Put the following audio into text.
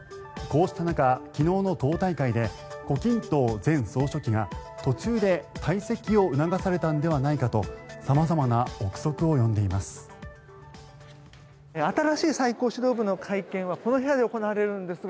こうした中昨日の党大会で胡錦涛前総書記が途中で退席を促されたのではないかと様々な臆測を呼んでいます。